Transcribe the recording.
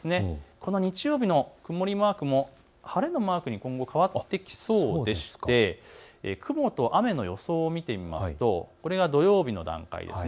この日曜日の曇りマーク、晴れのマークに今後変わってきそうでして雲と雨の予想を見てみますとこれが土曜日の段階です。